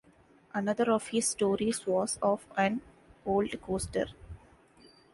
Another of his stories was of an old coaster.